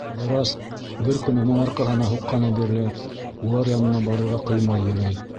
Ҡыҙырас, бер көн уның арҡаһына һуҡҡаны бирле, улар янына барырға ҡыймай йөрөй.